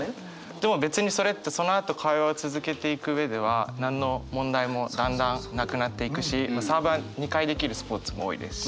でも別にそれってそのあと会話を続けていく上では何の問題もだんだんなくなっていくしサーブは２回できるスポーツも多いですし。